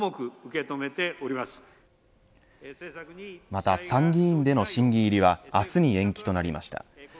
また、参議院での審議入りは明日に延期となりました。